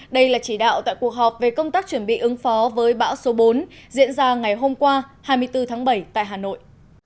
đây là chỉ đạo tại cuộc họp về công tác chuẩn bị ứng phó với bão số bốn diễn ra ngày hôm qua hai mươi bốn tháng bảy tại hà nội